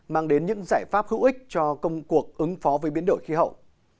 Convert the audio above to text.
mang đến những giải pháp hữu ích cho công cuộc ứng phó với biến đổi khí hậu